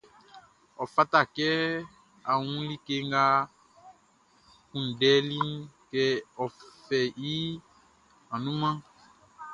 Ɔ fata kɛ ɔ wun like ngʼɔ kunndɛliʼn, kɛ ɔ fɛ i annunmanʼn.